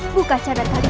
buka cara taruh